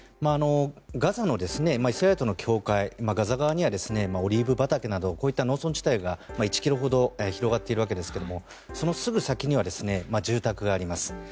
ガザのイスラエルとの境界にはオリーブ畑など農村地帯が１ｋｍほど広がっているわけですけどもそのすぐ先には住宅があります。